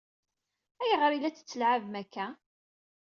Ayɣer i la tt-tettlɛabem akka?